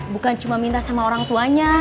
bukan cuma minta sama orang tuanya